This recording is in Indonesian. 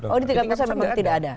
oh di tingkat pusat memang tidak ada